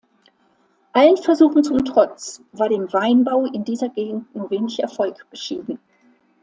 Allen Versuchen zum Trotz war dem Weinbau in dieser Gegend nur wenig Erfolg beschieden.